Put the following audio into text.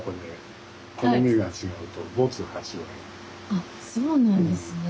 あそうなんですね。